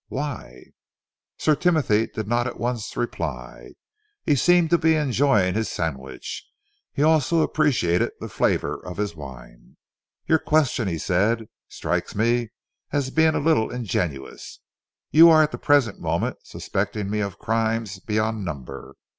"Why?" Sir Timothy did not at once reply. He seemed to be enjoying his sandwich; he also appreciated the flavour of his wine. "Your question," he said, "strikes me as being a little ingenuous. You are at the present moment suspecting me of crimes beyond number.